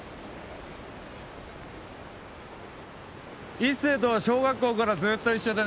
一成とは小学校からずっと一緒でね。